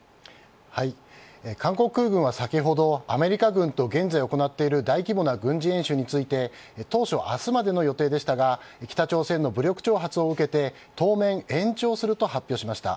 韓国空軍は先ほどアメリカ軍と現在行っている大規模な軍事演習について当初は明日までの予定でしたが北朝鮮の武力挑発を受けて当面延長すると発表しました。